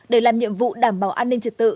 để làm nhiệm vụ đảm bảo an ninh trật tự